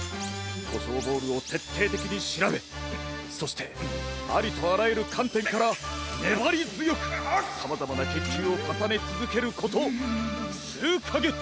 コショウボールをてっていてきにしらべそしてありとあらゆるかんてんからねばりづよくさまざまなけんきゅうをかさねつづけることすうかげつ。